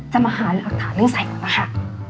จะมาหาอาคฏหนึ่งสายหวนนะคะ